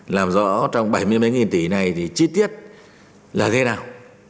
làm rõ trong bảy mươi mấy tỷ này thì chi tiết là thế nào